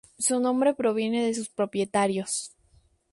Su nombre proviene de sus propietarios.